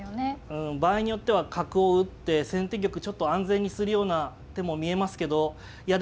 うん場合によっては角を打って先手玉ちょっと安全にするような手も見えますけどいや